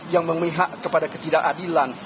yang memihak kepada ketidakadilan